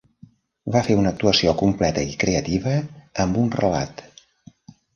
Va fer una actuació completa i creativa amb un relat.